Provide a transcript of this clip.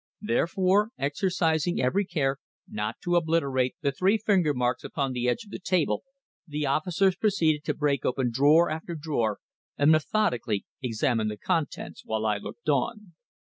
Therefore, exercising every care not to obliterate the three finger marks upon the edge of the table, the officers proceeded to break open drawer after drawer and methodically examine the contents while I looked on.